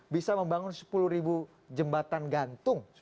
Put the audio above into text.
bisa membangun sepuluh jembatan gantung